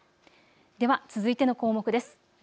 では続いての項目です。